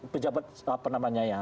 pejabat apa namanya ya